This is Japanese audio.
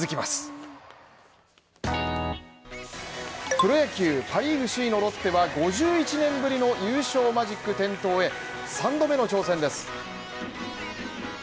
プロ野球、パリーグ首位のロッテは５１年ぶりの優勝マジック点灯へ３度目の挑戦です。